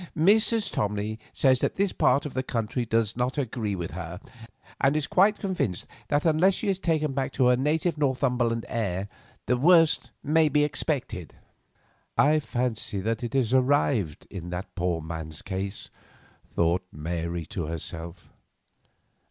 Mrs. Tomley says that this part of the country does not agree with her, and is quite convinced that unless she is taken back to her native Northumberland air the worst may be expected." "I fancy that it has arrived in that poor man's case," thought Mary to herself.